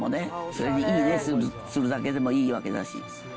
それにいいねするだけでもいいわけだし。